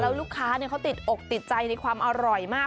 ลูกค้าเขาติดอกติดใจในความอร่อยมาก